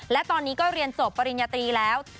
และตอนนี้ก็เรียนจบปริญญาตรีแล้ว